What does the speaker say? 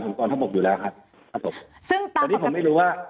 ของกรทบกดูแลครับสำหรับตอนนี้ผมไม่รู้ว่า